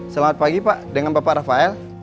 selamat pagi pak dengan bapak rafael